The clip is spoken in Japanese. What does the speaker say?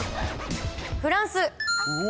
フランス。